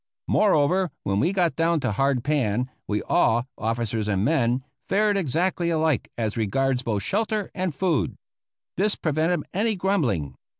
Moreover, when we got down to hard pan, we all, officers and men, fared exactly alike as regards both shelter and food. This prevented any grumbling.